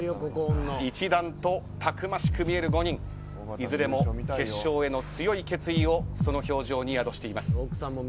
一段とたくましく見える５人いずれも決勝への強い決意をその表情に宿しています。